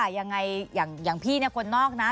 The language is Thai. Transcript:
เอาอย่างนี้ค่ะยังไงอย่างพี่คนนอกนะ